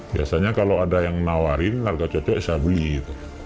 biasanya kalau ada yang nawarin larga cocok saya beli